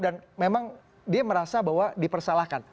dan memang dia merasa bahwa dipersalahkan